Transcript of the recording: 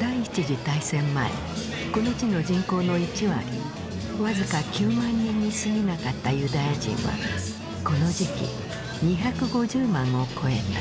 第一次大戦前この地の人口の１割僅か９万人にすぎなかったユダヤ人はこの時期２５０万を超えた。